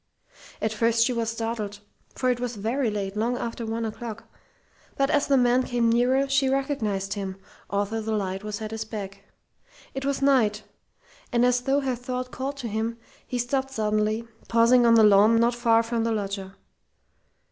At first she was startled, for it was very late, long after one o'clock; but as the man came nearer, she recognized him, although the light was at his back. It was Knight; and as though her thought called to him, he stopped suddenly, pausing on the lawn not far from the loggia.